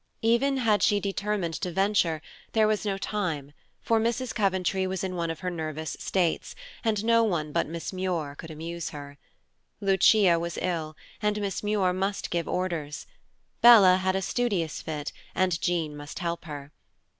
Even had she determined to venture, there was no time, for Mrs. Coventry was in one of her nervous states, and no one but Miss Muir could amuse her; Lucia was ill, and Miss Muir must give orders; Bella had a studious fit, and Jean must help her.